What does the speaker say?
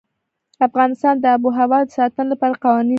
افغانستان د آب وهوا د ساتنې لپاره قوانین لري.